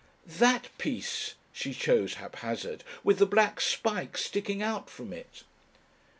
"That piece," she chose haphazard, "with the black spike sticking out from it."